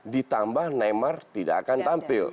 ditambah neymar tidak akan tampil